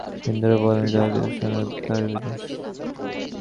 হিন্দুরা বলেন যাহা কিছু সংযোগোৎপন্ন, তাহারই বিনাশ অবশ্যম্ভাবী।